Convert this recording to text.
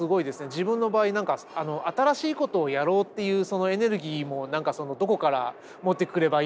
自分の場合何か新しいことをやろうっていうそのエネルギーも何かそのどこから持ってくればいいのかなという。